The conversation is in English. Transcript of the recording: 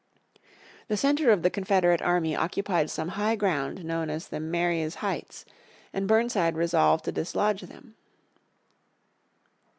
The centre of the Confederate army occupied some high ground known as the Maryes Heights, and Burnside resolved to dislodge them.